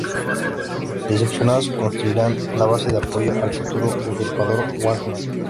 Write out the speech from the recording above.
Decepcionados, construirán la base de apoyo al futuro usurpador Wang Mang.